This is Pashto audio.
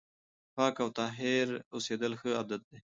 پاک او طاهر اوسېدل ښه عادت دی.